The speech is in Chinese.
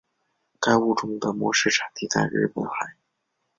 该物种的模式产地在日本海。